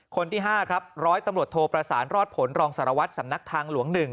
คนที่๕ครับร้อยตำรวจโทประสานรอดผลรองสารวัตรสำนักทางหลวง๑